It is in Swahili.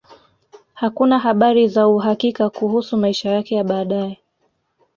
Hakuna habari za uhakika kuhusu maisha yake ya baadaye.